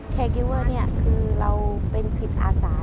แคร์กิวเวอร์คือเราเป็นจิตอาสา